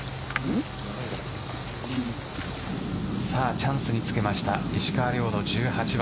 チャンスにつけました石川遼の１８番。